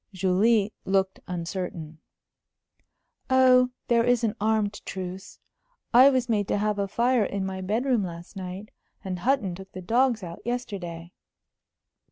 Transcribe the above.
Julie looked uncertain. "Oh, there is an armed truce. I was made to have a fire in my bedroom last night. And Hutton took the dogs out yesterday."